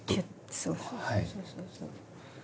そうそうそう。